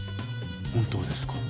本当ですか？